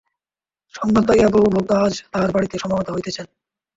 সংবাদ পাইয়া বহু ভক্ত আজ তাঁহার বাড়ীতে সমাগত হইতেছেন।